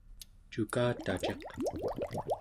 cukataciq